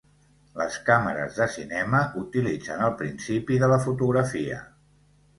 Les càmeres de cinema utilitzen el principi de la fotografia.